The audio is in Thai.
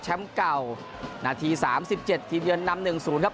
แชมป์เก่านาที๓๗ทีมเยือน๕๑๐ครับ